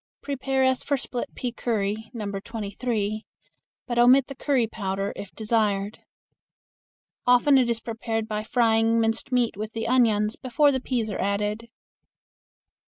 Prepare as for split pea curry (No. 23), but omit the curry powder, if desired. Often it is prepared by frying minced meat with the onions before the peas are added.